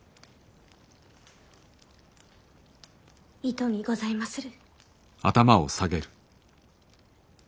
糸にございまする。